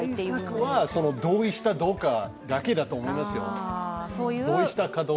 対策は同意したかどうかだけだと思いますよ。